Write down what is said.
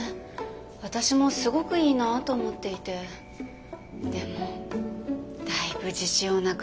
私もすごくいいなぁと思っていてでもだいぶ自信をなくしているみたいで。